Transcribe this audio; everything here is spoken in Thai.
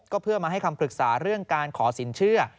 ก็เพื่อมาให้คำปรึกษาเรื่องการขอสินเชื่อ